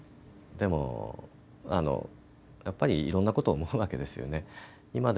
でも、やっぱりいろんなことを思うわけですよね。